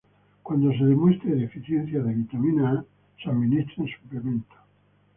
Cuando se demuestre deficiencia de vitamina A se administra en suplementos.